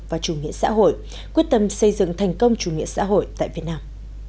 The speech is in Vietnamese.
và chủ nghĩa xã hội quyết tâm xây dựng thành công chủ nghĩa xã hội tại việt nam